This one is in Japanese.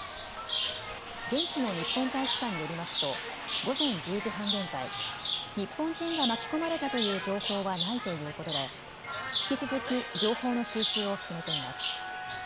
現地の日本大使館によりますと午前１０時半現在、日本人が巻き込まれたという情報はないということで引き続き情報の収集を進めています。